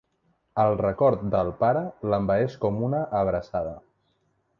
El record del pare l'envaeix com una abraçada.